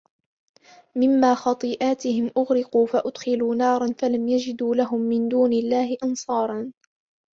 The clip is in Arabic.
مِمَّا خَطِيئَاتِهِمْ أُغْرِقُوا فَأُدْخِلُوا نَارًا فَلَمْ يَجِدُوا لَهُمْ مِنْ دُونِ اللَّهِ أَنْصَارًا